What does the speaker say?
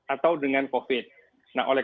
atau dengan covid nah oleh